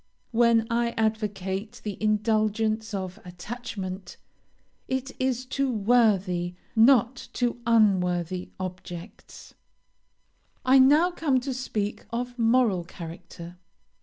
When I advocate the indulgence of attachment, it is to worthy, not to unworthy, objects. "I now come to speak of moral character.